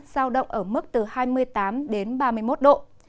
giao động ở mức từ hai mươi tám đến ba mươi một độ